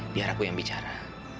biar aku yang bicara